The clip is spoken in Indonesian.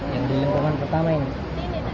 yang pertama ini